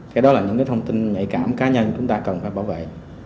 cái đó là những cái thông tin nhạy cảm cá nhân chúng ta cần phải bảo vệ